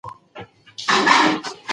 د وارداتو ثبت کول لازمي دي.